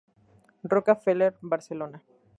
Roca Ferrer, Barcelona.